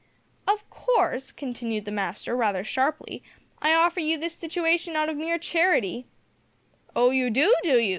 "`Of course,' continued the master, rather sharply, `I offer you this situation out of mere charity ' "`Oh! you do, do you?'